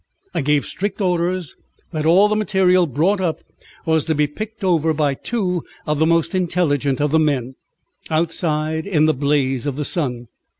I gave strict orders that all the material brought up was to be picked over by two of the most intelligent of the men, outside in the blaze of the sun.